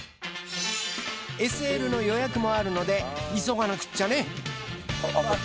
ＳＬの予約もあるので急がなくっちゃね。